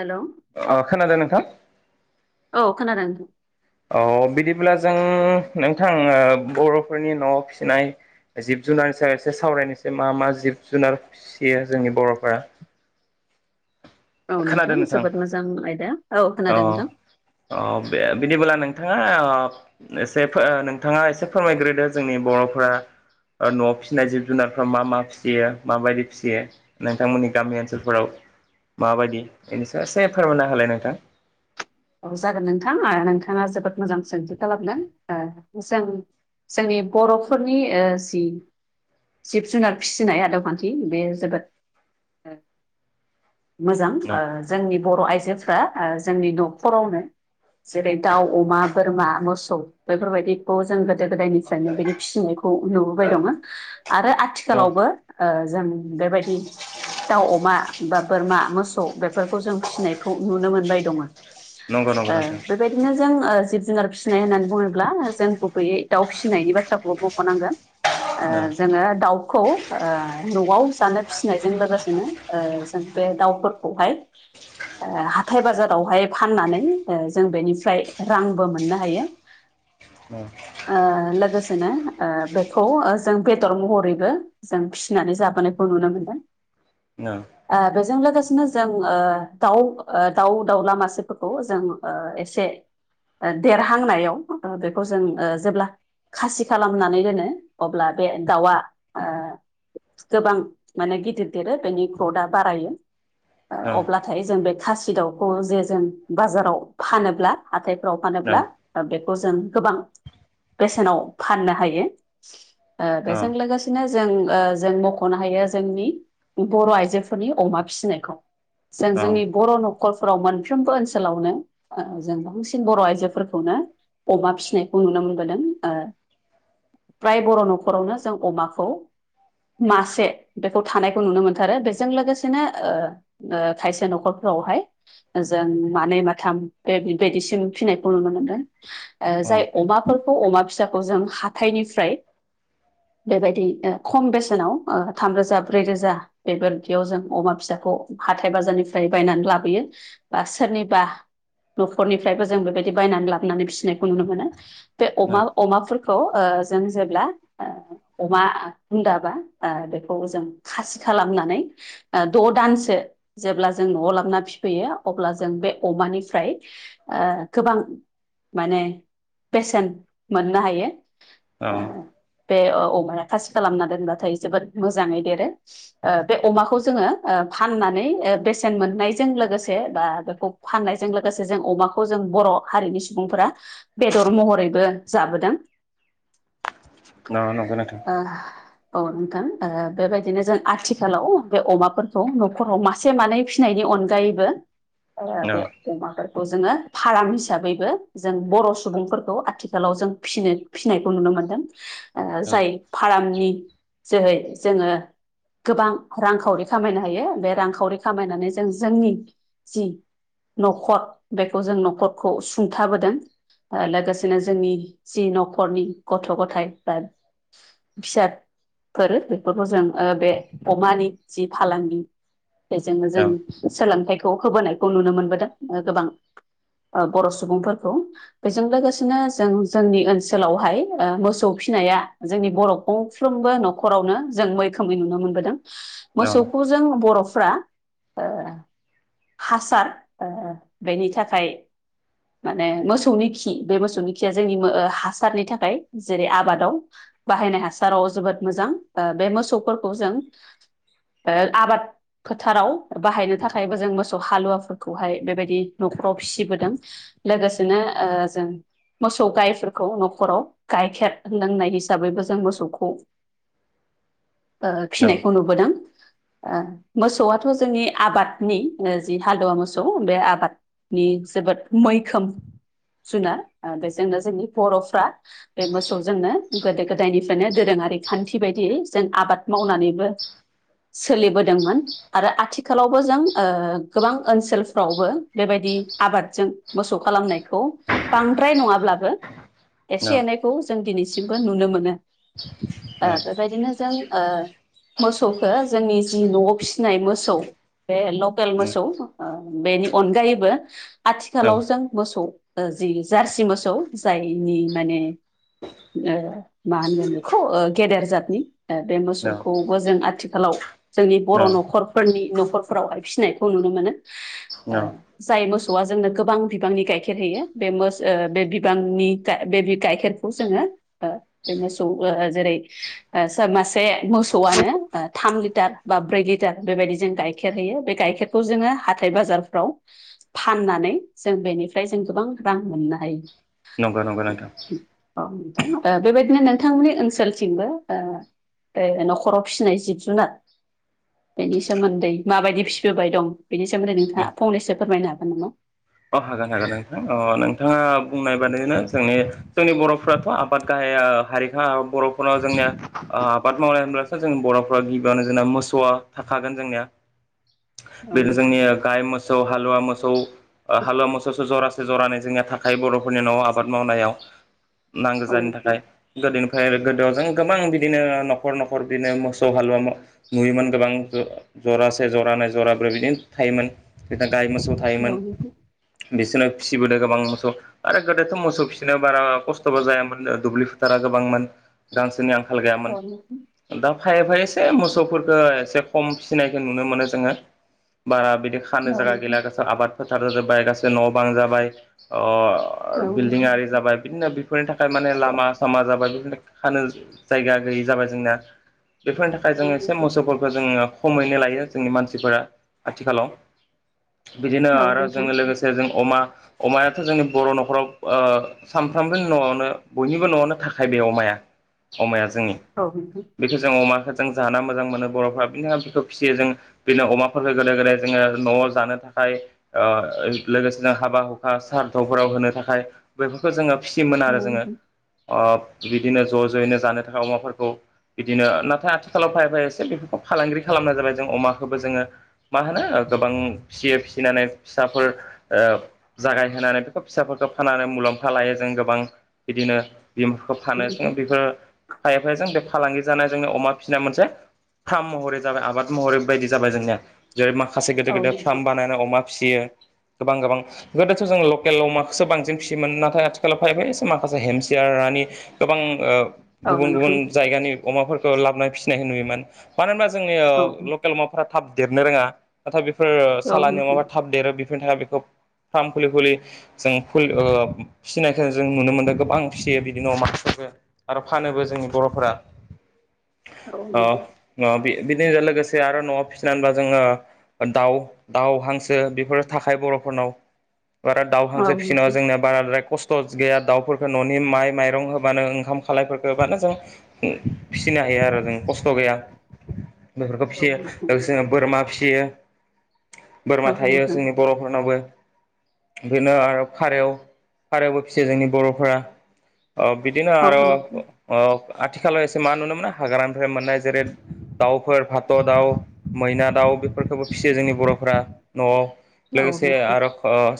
Hello ओ खोनादों नोंथां? औ खोनादों नोंथां अ बिदिब्ला जों नोंथां ओ बर'फोरनि न' फिसिनाय जिब जुनारनि सायाव एसे सावरायनोसै मा मा जिब जुनार फिसियो जोंनि बर'फोरा [inaudible] औ खोनादों नोंथां जोबोद मोजां आयदा औ अ खोनादों नोंथां अ बिदिबोला नों नोंथाङा अ एसे फो नोंथाङा एसे फोरमायग्रोदो जोंनि बर'फोरा ओ न'आव फिसिनाय जिब जुनारफ्रा मा मा फिसियो माबायदि फिसियो नोंथांमोननि गामि ओनसोलफोराव माबायदि बेनि सायाव एसे फोरमायना होलाय नोंथां? औ जागोन नोंथां ओ नोंथाङा जोबोद मोजां सोंथि खालामदों ओ जों जोंनि बर'फोरनि ओ जि जिब जुनार फिसिनाय आदबखान्थि बे जोबोद मोजां न ओ जोंनि बर' आइजोफ्रा ओ जोंनि न'खरावनो जेरै दाउ, अमा, बोरमा, मोसौ बेफोरबायदिखौ जों गो गोदो गोदायनिफ्रायनो बिदि फिसिनायखौ नुबोबाय दङो आरो न आथिखालावबो ओ जों बेबायदि दाउ अमा बा बोरमा मोसौ बेफोरखौ जों फिसिनायखौ नुनो मोनबाय दङो। नंगौ नंगौ ओ नोंथां बेबायदिनो जों जि जुनार फिसिनाय होननानै बुङोब्ला जों गुबैयै दाउ फिसिनायनि बाथ्राखौबो मुंख'नांगोन। ओ न जोङो दाउ खौ ओ न'आव जानो फिसिनायजों लोगोसेनो ओ जों बे दाउफोरखौहाय ओ हाथाय बाजारावहाय फाननानै ओ जों बेनिफ्राय रांबो मोननो हायो। ओ लोगोसेनो ओ बेखौ ओ जों बेदर महरैबो जों फिसिनानै जाबोनायखौ नुनो मोनदों। न ओ बेजों लोगोसेनो जों ओ दाउ दाउ दाउला मासे फोरखौ जों ओ एसे देरहांनायाव बेखौ जों ओ जेब्ला खासि खालामनानै दोनो अब्ला बे दाउआ ओ गोबां माने गिदिर दिरो बेनि ग्रदआ बारायो। ओ न अब्लाथाय जों बे खासि दाउखौ जे जों बाजाराव फानोब्ला हाथाय फ्राव औ फानोब्ला ओ बेखौ जों गोबां बेसेनाव फाननो हायो। ओ औ बेेजों लोगोसेनो जों जों मख'नो हायो जोंनि बर' आइजोफोरनि अमा फिसिनायखौ। जों जोंनि औ बर' न'खरफोराव मोनफ्रोमबो ओनसो ओनसोलावनो जों बांसिन बर' आइजोफोरखौनो अमा फिसिनायखौ नुनो मोनबोदों ओ। फ्राय बर' न'खरावनो जों अमाखौ मासे बेखौ थानायखौ नुनो मोनथारो बेजों लोगोसेनो ओ ओ खायसे न'खरफोर फोरावहाय ओ जों मानै माथाम बेबायदिसिम फिनायखौ नुनो मोनदों जाय औ अमाफोर अ अमा फिसाखौ जों हाथाइनिफ्राय बेबायदि ओ खम बेसेनाव ओ थामरोजा ब्रै रोजा बेफोरदियाव जों अमा फिसा खौ हाथाय बाजारनिफ्राय बायनानै लाबोयो बा सोरनि बा न'खरनिफ्रायबो जों बेबायदि बायनानै लाबोनानै फिसिनायखौ नुनो मोनो। बे अमा अमाफोरखौ ओ जों जेब्ला ओ अमा हुन्दाबा ओ बेखौ जों खासि खालामनानै द' दान सो जेब्ला जों न'आव लाबोना फिफैयो अब्ला जों बे अमानिफ्राय ओ गोबां माने बेसेन मोननो हायो। औ ओ बे अमाया खासि खालामना दोनबाथाय जोबोद मोजांङै देरो ओ बे अमाखौ जोंङो ओ फाननानै ओ बेसेन मोननायजों लोगोसे बा बेखौ फाननायजों लोगोसे जों अमाखौ जों बर' हारिनि सुबुंफोरा बेदर महरैबो जाबोदों। न नंगौ नोंथां। ओ औ नोंथां ओ बेबायदिनो जों आथिखालाव बे अमाफोरखौ न'खराव मासे मानै फिनायनि अनगायैबो ओ औ बे अमाफोर खौ जोंङो फारामड हिसाबैबो जों बर' सुबुंफोरखौ आथिखालाव जों फिनो फिसिनायखौ नुनो मोन मोनदों जाय औ फारामनि जोहै जोंङो गोबां रांखावरि खामायनो हायो बे रांखावरि खामायनानै जों जोंनि न'खर बेखौ जों न'खरखौ सुंथाबोदों। ओ लोगोसेनो जोंनि जि न'खरनि गथ' गथाय बा फिसाद फोर बेफोरखौ जों ओ बे अमानि जि फालांगि बेजोंनो औ जों सोलोंथाइखौ होबोनायखौ नुनो मोनबोदों गोबां। ओ बर' सुबुंफोरखौ बेजों लोगोसेनो जों जोंनि ओनसोलावहाय ओ मोसौ फि नाया जोंनि बर' गंफ्रोमबो न'खरावनो जों मैखोमै नुनो मोनबोदों। औ मोसौखौ जों बर'फ्रा ओ हासार ओ बेनि थाखाय माने मोसौनि खि बे मोसौनि खिया जोंनि ओ हासारनि थाखाय जेरै आबादाव बाहायनाय हासाराव जोबोद मोजां ओ बे मोसौफोरखौ जों ओ आबाद फोथाराव बाहायनो थाखायबो जों मोसौ हालुवा फोरखौहाय बेबायदि न'खराव फिसिबोदों लोगोसेनो ओ जों मोसौ गायफोरखौ न'खराव गाइखेर लोंनाय हिसाबैबो जों मोसौखौ ओ फिनायखौ नुबोदों ओ मोसौआथ' जोंनि आबादनि ओ जि हालुवा मोसौ बे आबादनि जोबोद नि मैखोम जुनार ओ बे जोंनो जोंनि बर'फ्रा बे मोसौजोंनो गोदो गोदाय निफ्रायनो दोरों आरि खान्थि बायदियै जों आबाद मावनानैबो सोलिबोदोंमोन आरो आथिखालावबो जों ओ गोबां ओनसोलफ्रावबो बेबायदि आबादजों मोसौ खालामनायखौ बां द्राय ननंङाब्लाबो एसे एनैखौ जों दिनैसिमबो नुनो मोनो। ओ बेबायदिनो जों ओ मोसौखो जोंनि जि न'आव फिसिनाय मोसौ बे ल खेल मोसौ ओ बेनि अनगायैबो आथिखालाव जों मोसौ जि जार सि मोसौ जायनि माने ओ मा होनगोन बेखौ गेदेर जाथनि बे मोसौखौबो जों आथिखालाव जोंनि बर' न'खरफोरनि न'खरफोराव आरो फिसिनायखौ नुनो मोनो, ओ जाय मोसौआ जोंनो गोबां बिबांनि गाइखेर होयो, बे मो बे बिबांनि गाय बे गाइखेरखौ जोंङो ओ बे मोसौ ओ जेरै ओ सा मासे मोसौआनो थाम लिटार बा ब्रै लिटार बेबायदि जों गाइखेर होयो बे गाइखेरखौ जोंङो हाथाय बाजारफ्राव फाननानै जों बेनिफ्राय जों गोबां रां मोन्ना हाय नंगौ नंगौ नोंथां। जों ओ बे बायदिनो नोंथांमोननि ओनसोलथिंबो ए न'खराव फिसिनाय जिब जुनार बेनि सोमोन्दै माबायदि फि बोबाय दं बेनि सोमोन्दै नोंथांङा फंनैसो फोरमायनो हागोन नामा? अ हागोन हागोन नोंथां अ नोंथांङा बुंनाय बादिनो जोंनि जोंनि बर'फ्राथ' आबाद गाहाय हारिखा बर'फोरनाव जोंनिया आबाद मावनाय होनब्लासो जों बर' गिबियावनो जोंना मोसौआ थाखागोन जोंनिया औ बे नोंथां जोंनि गाय मोस सौ हालुवा मोसौ हालुवा मोसौ सौ जरा जरानै जोंनिया थाखायो बर'फोरनि न'आव आबाद मावनायाव नांगौ औ जानायनि थाखाय गोदोनि ओमफ्राय गोदोआव जों गोबां बिदिनो न'खर न'खर बिदिनो मोसौ हालुवा नुयोमोन गोबां जरासे जरानैै जराब्रो बिदिनो थायोमोन बिदिनो गाय मोसौ थायोमोन नोंथां बिसोरनो फिसिबोदों गोबां मोसौ आरो गोदोथ' मोसौ फिसिनो बारा खस्थ'बो जायामोन नो दुब्लि फोरा गोबांमोन गांसोनि आंखाल गैयामोन औ नोंथां दा फा एफा एसे मोसौफोरखौ एसे खम फिसिनायखौ नुनो मोनो जोङो बा बि बे खानो जायगा गैला गासै आबाद फोथार जाजोब्बाय गासै न' बां जाबाय ओ ओ औ नोंथां औ बिल्डिं नोंथां आरि जाबाय बिदिनो बेफोरनि थाखाय माने लामा सामा जाबाय बिदिनो खानो जायगा गैयि जाबाय जोंना बेफोरनि थाखाय औ जोङो एसे नोंथां मोसौफोरखौ जोङो खमैनो लायो जोंनि मानसिफोरा आथिखालाव बिदिनो औ आरो जों नोंथां लोगोसे जों अमा अमायाथ' जोंनि बर' न'खराव ओ सानफ्रोमबोनि न'आवनो बयनिबो न'आवनो थाखायो बे अमाया अमाया जोंनि औ नोंथां औ नोंथां औ नोंथां औ नोंथां औ नोंथां औ नोंथां औ नोंथां औ नोंथां औ नोंथां औ नोंथां औ नोंथां औ नोंथां औ नोंथां औ बेखौ जों अमाखो जों जानो मोजां मोनो बर'फ्रा बिनि थाखायनो बिखौ फिसियो जों बिदिनो अमाफोरफोरखौ गोदो गोदाय जोङो न'आव जानो थाखाय खाय ओ लोगोसेनो हाबा हुखा सारथावफोराव होनो थाखाय बेफोरखौ जोङो फिसियोमोन आरो जोङो ओब बिदिनो ज' ज'यैनो जानो थाखाय अमाफोरखौ बिदिनो नाथाय आथिखालाव फायै फायै एसे बेफोरखौ फालांगिरि खालामनाय जाबाय जों अमाखौबो जोङो मा होनो गोबां फिसियो फिसिनानै फिसाफोर ओ जागायहोनानै बेखौ फिसाफोरखौ फानानानै मुलाम्फा लायो जों गोबां बिदि नो बिदिनो फानो सं बेफोर खायफाजों बि फालांगि जानाय जोंनि अमा फिसिनाय मोनसे थाम महरै जाबाय आबाद महरै बायदि जाबाय जोंनिया जेरै माखासे गिदिर गिदिर फार्म बानायनानै अमा फिसियो गोबां गोबां बेबोथ' जों लकेल अमाखोसो बांसिन फियोमोन नाथाय आथिखालाव फायै फायै एसे माखासे हेमसियार नि गोबां ओ गुबुन गुबुन जायगानि अमाफोरखौ लाबोनानै फिसिनायखौ नुयोमोन मानो होनबा जोंनि लकेल अमाफोरा थाब देरनो रोङा नाथाय बेफोर सालानि अमा देरो बेफोरनि थाखाय बेखौ फार्म खुलि खुलि जों फिसिनायखौ जों नुनो मोन्दों गोबां फिसियो बिदि नो अमा आरो फानोबो जोंनि बर'फोरा ओ नो बि बिदि लोगोसे आरो न'आव फिसिनानैबा जोङो दाउ दाउ हांसो बेफोर थाखाय बर'फोरनाव बारा दाव हांसो फिसिनायाव जोंनिया बाराद्राय खस्थ' थ' गैया दाउफोरखौ न'नि माइ माइरं होबानो ओंखाम खालायफोरखौ होबानो जों फिसिनो हायो आरो जों खस्थ' गैया बेफोरखौ फिसियो लोगोसे जों बोरमा फिसियो बोरमा थायो जोंनि बर'फोरनावबो बिदिनो आरो फारेव फारेवबो फिसियो जोंनि बर'फोरा अ बिदिनो आरो अ आथिखालाव एसे मा नुनो मोनो हाग्रानिफ्राय मोननाय जेरै दाउफोर फाथ' दाउ मैना दाउ बेफोरखौबो फिसियो जोंनि बर'फोरा न'आव लोगोसे आरो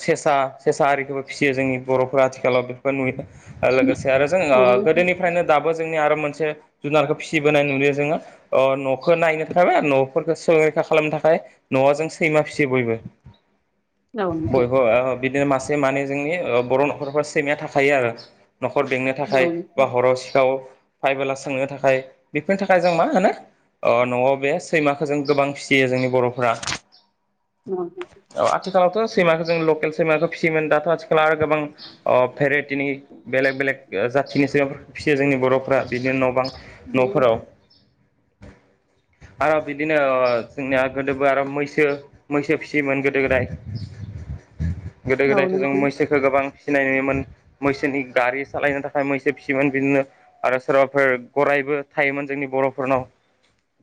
सेस सा सेसा आरिखौबो फिसियो जोंनि बर'फोरा आथिखालाव बेफोरफोरखौ नुयो लोगोसे आरो जों ओ गोदोनिफ्रायनो दाबो जोंनि आरो मोनसे जुनारखौ फिसिबोनाय नुयो जोङो ओ न'खौ नायनो थाबाय न'फोरखौ सो रैखा खालामनो थाखाय न'आव जों सैमा फिसि सि बयबो नोंथां बयबो ओ बिदिनो मास से माने जोंनि बर' न'खरफ्रा सैमाया थाखायो आरो न'खर बेंनो थाखाय औ नोंथां बा हराव सिखाव फाइबोला सोंनो थाखाय बेफोरनि थाखाय जों मा होनो ओ न'आव बे सैमाखौ जों गोबां फिसियो जोंनि बर'फ्रा औ औ आथिखालावथ' सैमाखौ जों लकेल सैमाखो‌ फिसियोमोन दाथ' आथिखालाव आरो गोबां भेराइटिनि बेलेग बेलेग जाथिनि फिसियो जोंनि बर'फ्रा बिदिनो न' बां गोबां न'फोराव नोंथां आर' बिदिनो ओ जोंनिया गोदोबो आर' मैसो मैसो फिसियोमोन गोदो गोदाय। गोदो औ गोदायथ' जों नोंथां मैसोखौ गोबां फिनाय नुयोमोन मैसोनि गारि सालायनो थाखाय मैसो फिसियोमोन बिदिनो आरो सोरबाफोर गराय बो थायोमोन जोंनि बर'फोरनाव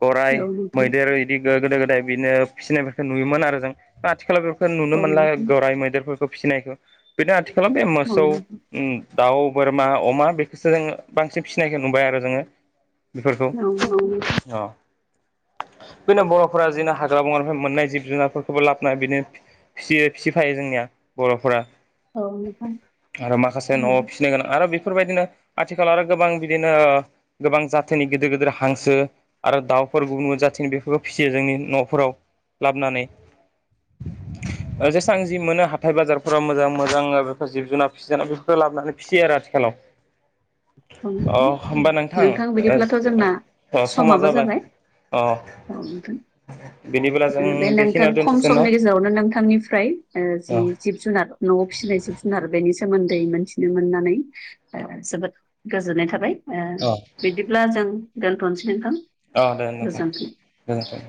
गराइ, औ नोंथां मैदेर बिदि गोदो गोदाय बिदिनो फिसिनायफोरखौ नुयोमोन आरो जों दा आथिखालाव नुनो औ मोनला नोंथां गराइ मैदेरफोरखौ फिसिनायखौ बिदिनो आथिखालाव बे मोसौ औ उम दाउ, बोरमा, अमा बेखौसो जोङो बांसिन फिसिनायखौ नुबाय आरो जोङो। बेफोरखौ नोंथां [inaudible] अ बिनो बर'फोरा जोंनो हाग्रा बंग्रानिफ्राय मोननाय जि ब जुनारफोरखौबो लाबोन बिदिनो फिसियो फिसिफायो जोंनिया बर'फोरा। औ नोंथां आरो माखासे न'आव थारैनो फिसिनो गोनां आरो बे फोरबायदिनो आथिखालाव आरो गोबां बिदिनो गोबां जाथोनि गिदिर गिदिर हांसो आरो दाउ गुबुन गुबुन जाथिनि बेफोरखौ फिसियो जोंनि न'फोराव लाबोनानै। ओ जेसेबां जि मोनो हाथाय बाजारफोरााव मोजां मोजां बेफोर जिब जुनार [inaudible] जुनार बेफोरखौ लाबोनानै फिसियो आरो आथिखालाव। औ अ नोंथां औ। होमबा नोंथां बिदिब्लाथ' ओ जोंना अ समा जाबाय। अ औ नोंथां [inaudible] बिदिबोला बे नोंथां खम समनि गेजेरावनो नोंथांनिफ्राय अ जिब जुनार न'आव फिसिनाय जिब जुनार नि सोमोन्दै मोनथिनो मोननानै जोबोद गोजोननाय थाबाय। ओ अ बिदिब्ला जों दोन्थ'नोसै नोंथां। अ दे नोथां, गोजोनथों गोजोनथों।